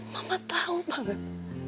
mama tau banget